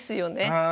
はい。